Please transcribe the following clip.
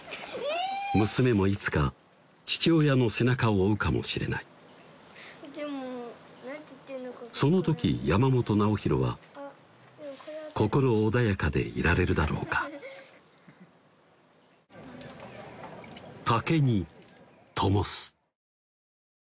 娘もいつか父親の背中を追うかもしれないその時山本直洋は心穏やかでいられるだろうか竹にともす